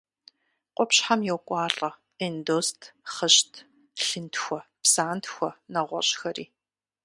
Къупщхьэм йокӏуалӏэ эндост, хъыщт, лъынтхуэ, псантхуэ, нэгъуэщӏхэри.